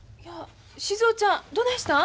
静尾ちゃんどないしたん？